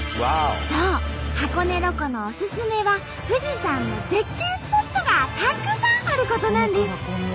箱根ロコのオススメは富士山の絶景スポットがたくさんあることなんです！